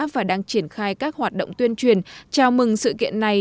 và đang triển khai các hoạt động tuyên truyền chào mừng sự kiện này